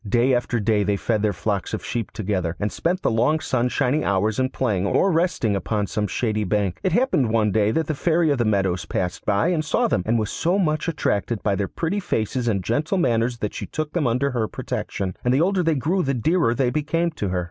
Day after day they fed their flocks of sheep together, and spent the long sunshiny hours in playing, or resting upon some shady bank. It happened one day that the Fairy of the Meadows passed by and saw them, and was so much attracted by their pretty faces and gentle manners that she took them under her protection, and the older they grew the dearer they became to her.